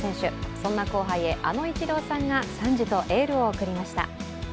そんな後輩へ、あのイチローさんが賛辞とエールを送りました。